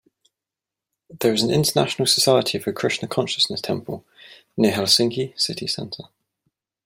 There is an International Society for Krishna Consciousness temple near Helsinki city centre.